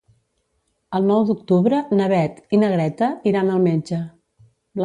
El nou d'octubre na Beth i na Greta iran al metge.